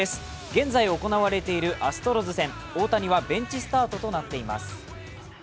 現在行われているアストロズ戦大谷はベンチスタートとなっています。